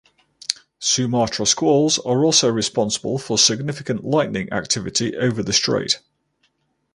Sumatra squalls are also responsible for significant lightning activity over the strait.